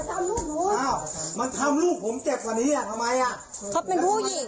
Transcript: อ้าวมันทำลูกผมเจ็บตะวันี้อ่ะทำไมอ่ะเขาเป็นผู้หญิงน่ะ